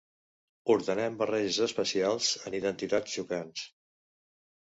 Ordenem barreges especials en identitats xocants.